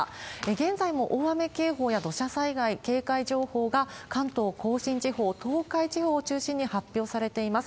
現在も大雨警報や土砂災害警戒情報が関東甲信地方、東海地方を中心に発表されています。